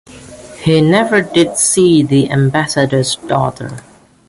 He never did see the ambassador's daughter.